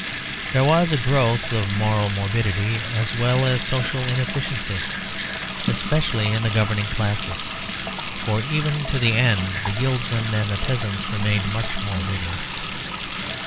There was a growth of moral morbidity as well as social inefficiency, especially in the governing classes; for even to the end the guildsmen and the peasants remained much more vigorous.